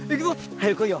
早く来いよ。